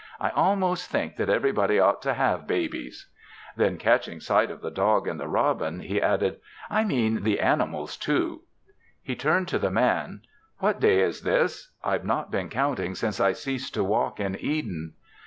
I almost think that everybody ought to have babies." Then catching sight of the dog and the robin, He added, "I mean the animals, too." He turned to the Man. "What day is this? I've not been counting since I ceased to walk in Eden."